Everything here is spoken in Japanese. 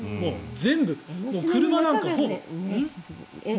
全部、車なんかほぼ。